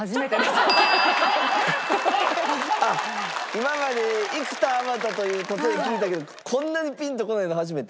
今まで幾多あまたという例え聞いたけどこんなにピンとこないの初めて？